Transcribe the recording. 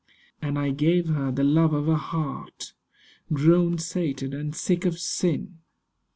And I gave her the love of a heart Grown sated and sick of sin!